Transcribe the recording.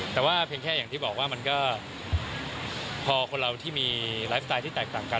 แต่ว่าเพียงแค่อย่างที่บอกว่ามันก็พอคนเราที่มีไลฟ์สไตล์ที่แตกต่างกัน